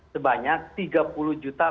sebanyak tiga puluh juta